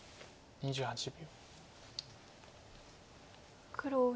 ２８秒。